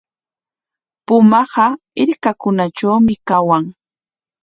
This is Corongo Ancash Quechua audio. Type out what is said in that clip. Pumaqa hirkakunatrawmi kawan.